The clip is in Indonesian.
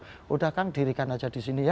sudah kan dirikan saja disini ya